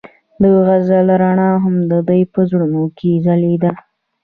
د غزل رڼا هم د دوی په زړونو کې ځلېده.